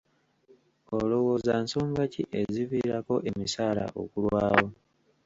Olowooza nsonga ki eziviirako emisaala okulwawo.